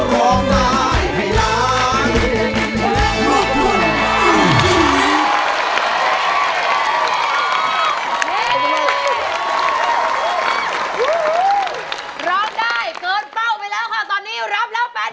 ร้องได้เกินเป้าไปแล้วค่ะตอนนี้รับแล้ว๘๐๐๐๐บาท